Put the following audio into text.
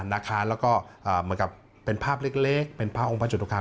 แล้วก็เหมือนกับเป็นภาพเล็กเป็นภาพองค์พระจุตุคาม